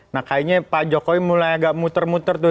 nah kayaknya pak jokowi mulai agak muter muter tuh